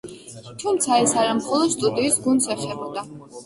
თუმცა, ეს არა მხოლოდ სტუდიის გუნდს ეხებოდა.